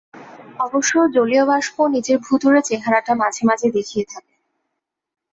অবশ্য জলীয় বাষ্প নিজের ভূতুড়ে চেহারাটা মাঝে মাঝে দেখিয়ে থাকে।